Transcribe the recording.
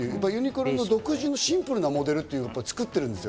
ユニクロ独自のシンプルなモデルを作ってる。